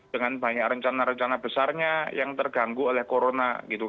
dengan banyak rencana rencana besarnya yang terganggu oleh corona gitu